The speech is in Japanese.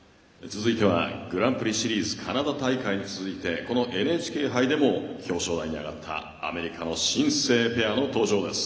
続いてはグランプリシリーズカナダ大会に続いてこのＮＨＫ杯でも表彰台に上がったアメリカの新生ペアの登場です。